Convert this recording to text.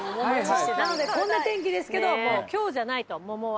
なのでこんな天気ですけど今日じゃないと桃は。